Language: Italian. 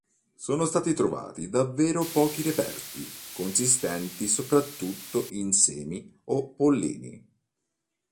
Sono stati trovati davvero pochi reperti, consistenti soprattutto in semi o pollini.